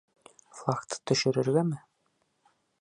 — Флагты төшөрөргәме?